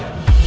agar dia tau